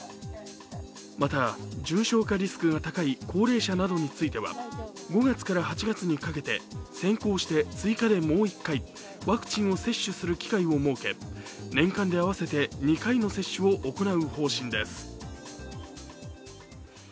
また重症化リスクが高い高齢者などについては５月から８月にかけて先行して追加でもう１回、ワクチンを接種する機会を設け、年間で合わせて２回の接種を行う方針です。